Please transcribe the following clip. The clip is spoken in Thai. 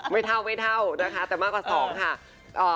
ไม่เท่านะคะแต่มากกว่า๒ค่ะ